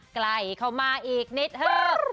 ใกล้เข้ามาอีกนิดเถอะ